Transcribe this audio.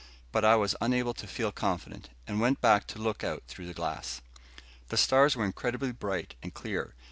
But I was unable to feel confident, and went back to look out through the glass. The stars were incredibly bright and clear.